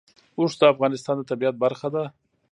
اوښ د افغانستان د طبیعت برخه ده.